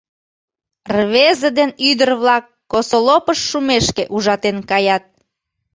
Рвезе ден ӱдыр-влак Косолопыш шумешке ужатен каят.